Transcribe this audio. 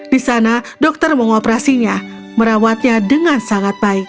di sana dokter mengoperasinya merawatnya dengan sangat baik